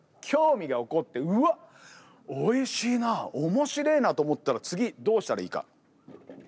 興味が起こってうわっおいしいなあおもしれえなと思ったら次どうしたらいいか。